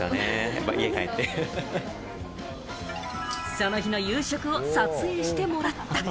その日の夕食を撮影してもらった。